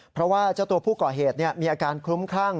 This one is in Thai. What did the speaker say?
เพราะว่าเจ้าตัวผู้ก่อเหตุมีอาการคลุ้มคลั่ง